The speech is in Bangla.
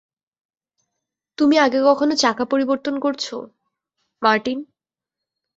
তুমি আগে কখনো চাকা পরিবর্তন করছো, মার্টিন?